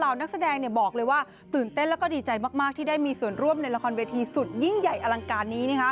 นักแสดงบอกเลยว่าตื่นเต้นแล้วก็ดีใจมากที่ได้มีส่วนร่วมในละครเวทีสุดยิ่งใหญ่อลังการนี้